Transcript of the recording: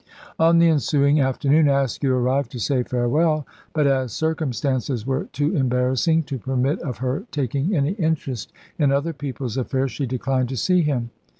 On the ensuing afternoon Askew arrived to say farewell; but, as circumstances were too embarrassing to permit of her taking any interest in other people's affairs, she declined to see him.